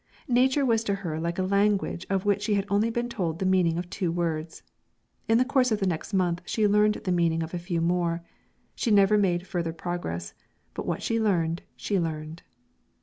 Nature was to her like a language of which she had only been told the meaning of two words. In the course of the next month she learned the meaning of a few more; she never made further progress, but what she learned she learned.